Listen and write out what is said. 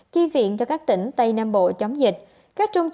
chi viện cho các tỉnh tây nam bộ chống dịch